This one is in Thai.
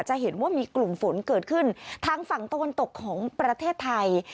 จะเห็นว่ามีกลุ่มฝนเกิดขึ้นทางฝั่งตะวันตกของประเทศไทย